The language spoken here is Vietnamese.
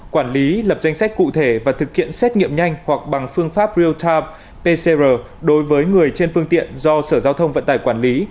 quản lý lập danh sách cụ thể và thực hiện xét nghiệm nhanh hoặc bằng phương pháp real time pcr đối với người trên phương tiện do sở giao thông vận tải quản lý